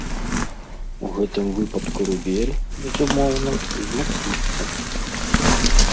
У гэтым выпадку рубель, безумоўна, узмацніцца.